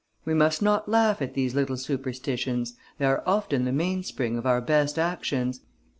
We must not laugh at these little superstitions. They are often the mainspring of our best actions.